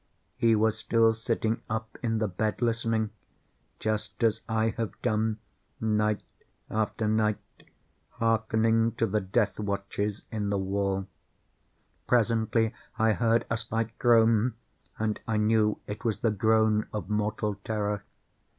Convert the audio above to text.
He was still sitting up in the bed listening;—just as I have done, night after night, hearkening to the death watches in the wall. Presently I heard a slight groan, and I knew it was the groan of mortal terror.